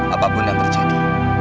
apapun yang terjadi